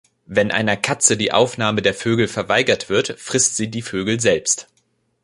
Wenn einer Katze die Aufnahme der Vögel verweigert wird, frisst sie die Vögel selbst.